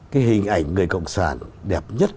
cái hình ảnh người cộng sản đẹp nhất